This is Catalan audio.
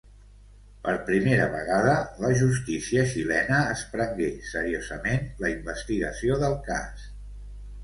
Per primera vegada la justícia xilena es prengué seriosament la investigació del cas.